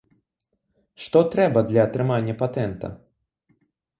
Што трэба для атрымання патэнта?